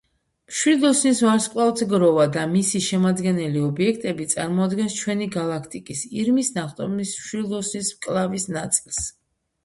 მშვილდოსნის ვარსკვლავთგროვა და მისი შემადგენელი ობიექტები წარმოადგენს ჩვენი გალაქტიკის, „ირმის ნახტომის“ მშვილდოსნის მკლავის ნაწილს.